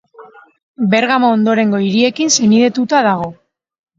Bergamo ondorengo hiriekin senidetuta dago.